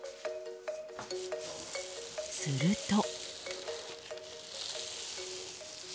すると。